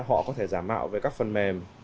họ có thể giả mạo về các phần mềm